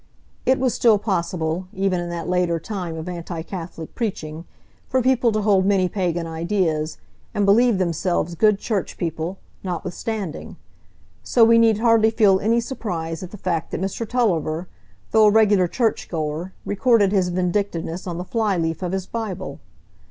It was still possible, even in that later time of anti Catholic preaching, for people to hold many pagan ideas, and believe themselves good church people, notwithstanding; so we need hardly feel any surprise at the fact that Mr Tulliver, though a regular church goer, recorded his vindictiveness on the fly leaf of his Bible.